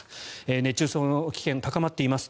熱中症の危険、高まっています。